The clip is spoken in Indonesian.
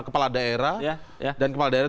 kepala daerah dan kepala daerah